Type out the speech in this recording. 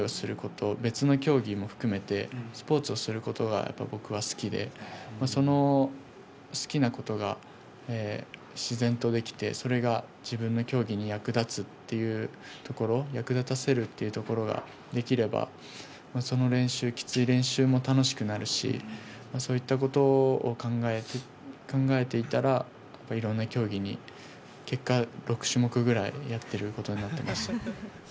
別の競技も含めてスポーツをすることが僕は好きで、その好きなことが自然とできて、それが自分の競技に役立つっていうところ、役立たせるところができればその練習、きつい練習も楽しくなるしそういったことを考えていたらいろんな競技に結果、６種目ぐらいやってることになってました。